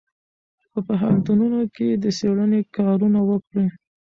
په پوهنتونونو کې د څېړنې کارونه وکړئ.